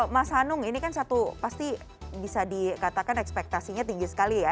mas hanung ini kan satu pasti bisa dikatakan ekspektasinya tinggi sekali ya